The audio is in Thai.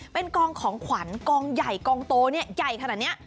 เป็นกองของขวัญกองใหญ่กองโตเนี่ยใหญ่ขนาดนี้